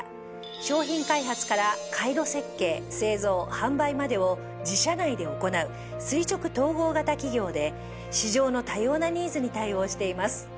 商品開発から回路設計製造販売までを自社内で行う垂直統合型企業で市場の多様なニーズに対応しています